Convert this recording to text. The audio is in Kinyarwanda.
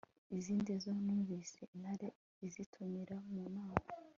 izindi zo zumvise intare izitumira mu nama